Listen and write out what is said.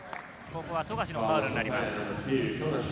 ここは富樫のファウルになります。